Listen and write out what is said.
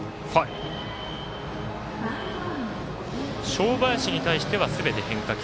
正林に対してはすべて変化球。